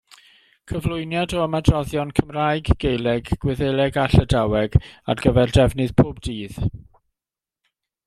Cyflwyniad o ymadroddion Cymraeg, Gaeleg, Gwyddeleg a Llydaweg ar gyfer defnydd pob dydd.